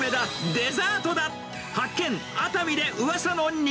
デザートだ！